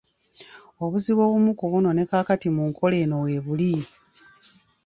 Obuzibu obumu ku buno ne kaakati mu nkola eno weebuli.